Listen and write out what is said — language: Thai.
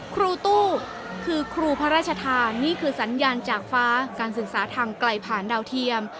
ครูตู้คือครูพระราชทานนี่คือสัญญาณจากฟ้าการศึกษาทางไกลผ่านดาวเทียม